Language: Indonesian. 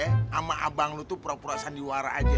sama abang lu tuh pura pura sandiwara aja